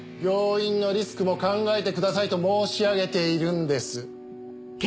病院のリスクも考えてくださいと申し上げているんです。